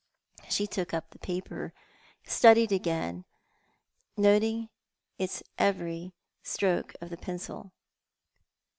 She took up the paper, and studied it again, noting every stroke of the pencil.